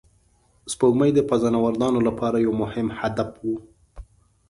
سپوږمۍ د فضانوردانو لپاره یو مهم هدف و